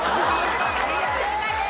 正解です。